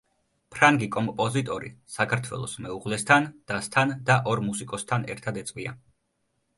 ფრანგი კომპოზიტორი საქართველოს მეუღლესთან, დასთან და ორ მუსიკოსთან ერთად ეწვია.